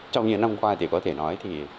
trong những năm qua thì có thể nói thì